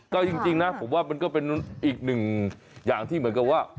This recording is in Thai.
ก็จริงนะผมว่ามันก็เป็นอีกหนึ่งอย่างที่เหมือนกับว่า